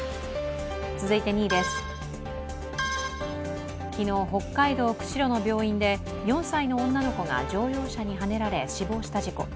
続いて２位です、昨日北海道・釧路の病院で４歳の女の子が乗用車にはねられ、死亡した事故。